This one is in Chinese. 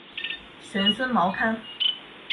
玄孙毛堪。